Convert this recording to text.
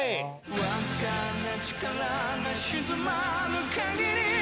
わずかな力が沈まぬ限り